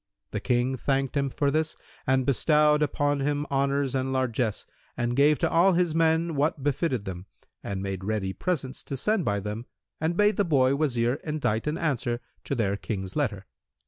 The King thanked him for this and bestowed upon him honours and largesse and gave to all his men what befitted them and made ready presents to send by them and bade the boy Wazir indite an answer to their King's letter.